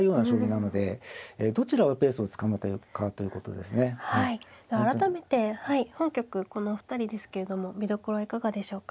では改めて本局このお二人ですけれども見どころはいかがでしょうか。